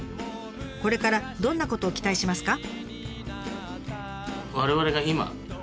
これからどんなことを期待しますか？